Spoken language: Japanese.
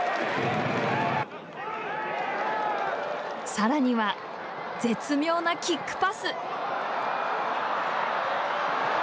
さらには絶妙なキックパス。